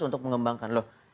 untuk mengembangkan loh